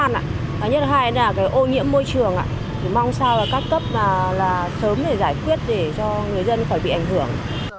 thì mong sao là các cấp là sớm để giải quyết để cho người dân khỏi bị ảnh hưởng